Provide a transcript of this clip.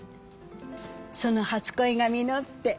その初こいが実って。